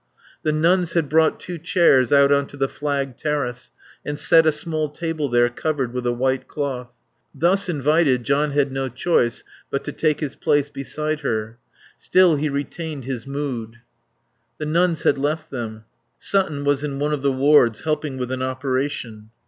The nuns had brought two chairs out on to the flagged terrace and set a small table there covered with a white cloth. Thus invited, John had no choice but to take his place beside her. Still he retained his mood. (The nuns had left them. Sutton was in one of the wards, helping with an operation.)